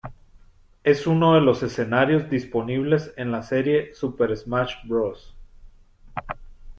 Es uno de los escenarios disponibles en la serie "Super Smash Bros.